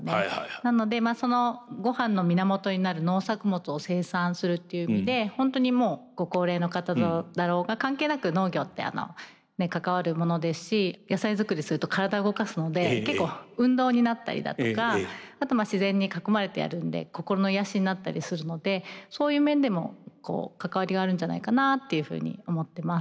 なのでそのごはんの源になる農作物を生産するっていう意味で本当にもうご高齢の方だろうが関係なく農業って関わるものですし野菜作りすると体動かすので結構運動になったりだとかあと自然に囲まれてやるんで心の癒やしになったりするのでそういう面でも関わりがあるんじゃないかなっていうふうに思ってます。